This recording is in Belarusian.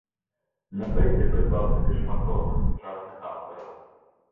На фэсце прыдбаў сабе шмат розных сучасных аўтараў.